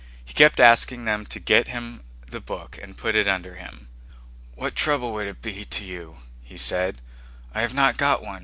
He kept asking them to get him the book and put it under him. "What trouble would it be to you?" he said. "I have not got one.